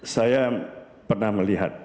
saya pernah melihat